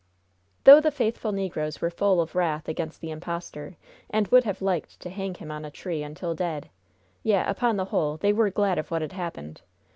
Though the faithful negroes were full of wrath against the impostor, and would have liked to hang him on a tree until dead, yet, upon the whole, they were glad of what had happened.